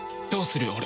どうする？